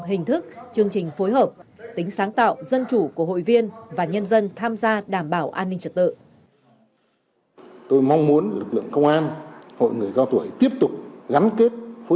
hình thức chương trình phối hợp tính sáng tạo dân chủ của hội viên và nhân dân tham gia đảm bảo an ninh trật tự